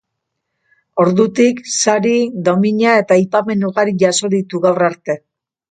Ordutik, sari, domina eta aipamen ugari jaso ditu gaur arte.